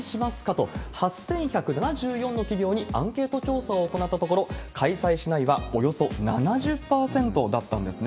と、８１７４の企業にアンケート調査を行ったところ、開催しないはおよそ７０％だったんですね。